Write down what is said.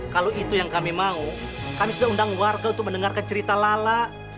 kalau itu yang kami mau kami sudah undang warga untuk mendengarkan cerita lala